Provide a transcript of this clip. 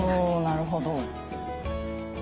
なるほど。